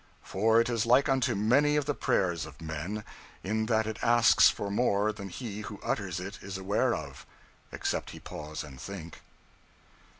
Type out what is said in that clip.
For it is like unto many of the prayers of men, in that it asks for more than he who utters it is aware of – except he pause and think.